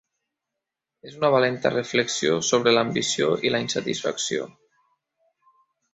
És una valenta reflexió sobre l'ambició i la insatisfacció.